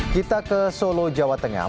kita ke solo jawa tengah